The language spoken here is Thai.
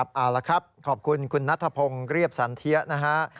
เอาละครับขอบคุณคุณนัทพงศ์เรียบสันเทียนะฮะ